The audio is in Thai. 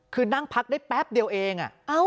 คือนั่งพักได้แป๊บเดียวเอง